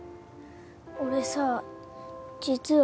俺さ実は。